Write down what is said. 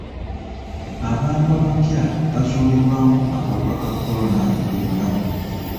Abantu abapya bazuulibwamu akawuka ka kolona buli lunaku.